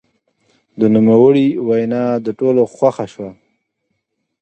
د نوموړي وینا د ټولو خوښه شوه.